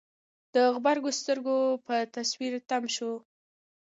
د غبرګو سترګو په تصوير تم شو.